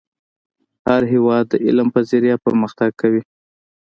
هر هیواد د علم په ذریعه پرمختګ کوي .